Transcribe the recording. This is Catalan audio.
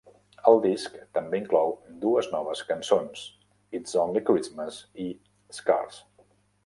El disc també inclou dues noves cançons, "Its Only Christmas" i "Scars".